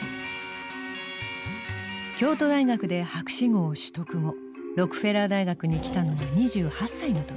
京都大学で博士号を取得後ロックフェラー大学に来たのは２８歳の時。